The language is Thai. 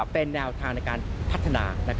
เป็นแนวทางในการพัฒนา